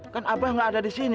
kan abah nggak ada di sini